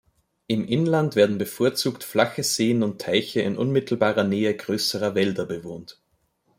Im Inland werden bevorzugt flache Seen und Teiche in unmittelbarer Nähe größerer Wälder bewohnt.